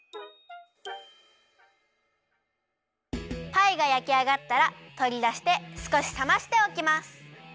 パイがやきあがったらとりだしてすこしさましておきます。